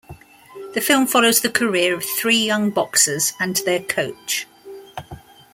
The film follows the career of three young boxers and their coach.